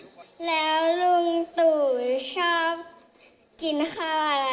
กินอะไรนะ